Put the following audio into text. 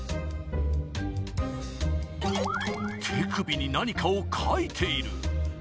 手首に何かを書いている。